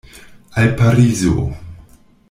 Al Parizo.